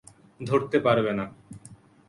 ধরতে পারবে না।